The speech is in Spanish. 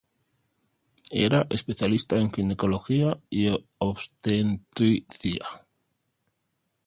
Era especialista en ginecología y obstetricia.